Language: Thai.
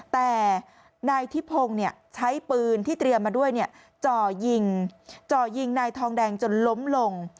แต่นายทิพงศ์ใช้ปืนที่เตรียมมาด้วยจ่อยิงจ่อยิงนายทองแดงจนล้มลง